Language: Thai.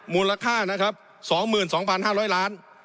มูลค่านะครับสองหมื่นสองพันห้าร้อยล้าน